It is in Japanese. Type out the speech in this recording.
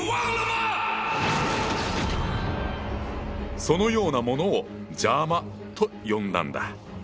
そのようなものを「邪魔」と呼んだんだ。